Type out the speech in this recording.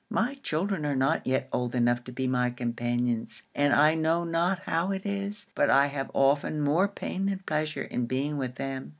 My children are not yet old enough to be my companions; and I know not how it is, but I have often more pain than pleasure in being with them.